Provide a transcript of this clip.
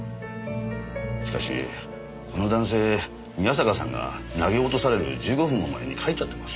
しかしこの男性宮坂さんが投げ落とされる１５分も前に帰っちゃってますよ。